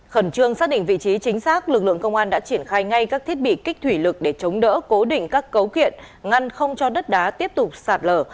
khẩn trương xác định vị trí chính xác lực lượng công an đã triển khai ngay các thiết bị kích thủy lực để chống đỡ cố định các cấu kiện ngăn không cho đất đá tiếp tục sạt lở